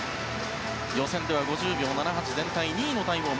予選では５０秒７８全体２位のタイム。